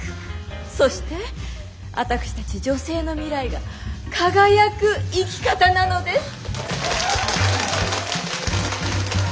そして私たち女性の未来が輝く生き方なのです。